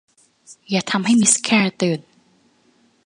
อย่าทำให้มิสแคลร์ตื่น